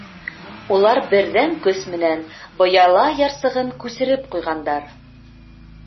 Улар берҙәм көс менән Быяла ярсығын күсереп ҡуйғандар.